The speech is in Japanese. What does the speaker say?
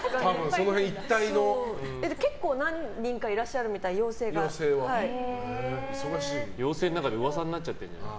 結構何人かいらっしゃるみたい妖精の中で噂になっちゃってるんじゃない。